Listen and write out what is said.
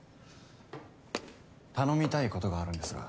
頼みたいことがあるんですが。